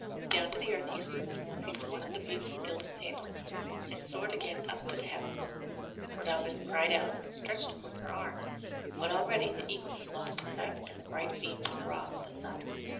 Down to the earth he swooped, seized one of the beautiful gilded sandals, and soared again up to the heavens. Rhodopis cried out and stretched forth her arms, but already the eagle was lost to sight in the bright beams of Ra, the Sun.